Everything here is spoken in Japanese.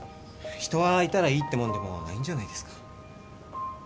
人はいたらいいってもんでもないんじゃないですか？